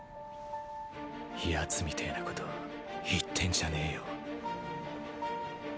ヤツみてぇなこと言ってんじゃねぇよ。